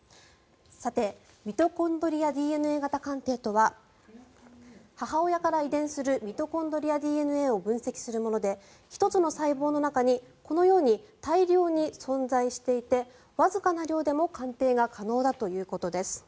さてミトコンドリアＤＮＡ型鑑定とは母親から遺伝するミトコンドリアＤＮＡを分析するもので１つの細胞の中にこのように大量に存在していてわずかな量でも鑑定が可能だということです。